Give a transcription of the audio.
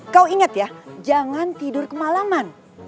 kau ingat ya jangan tidur kemalaman